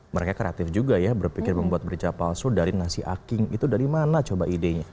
mereka kreatif juga ya berpikir membuat merica palsu dari nasi aking itu dari mana coba idenya